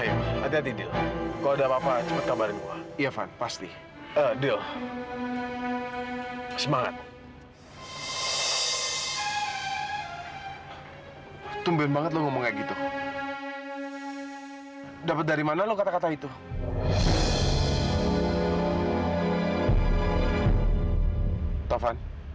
yaudah kalau gitu terima kasih ya